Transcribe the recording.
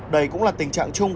đây cũng là tình trạng chung